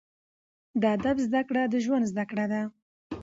د ادب زده کړه، د ژوند زده کړه ده.